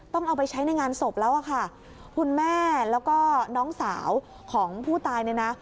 ต้องเอาไปใช้ในงานศพแล้วอะค่ะคุณแม่แล้วก็น้องสาวของผู้ตายเนี่ยนะ